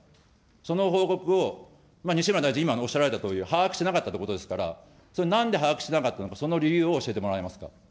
その報告をまあ、西村大臣、今おっしゃられたとおり把握しなかったということから、それをなんで把握しなかったのか、その理由を教えてもらえますか。